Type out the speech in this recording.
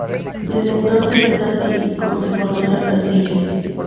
Desde entonces es así como se conoce al castillo.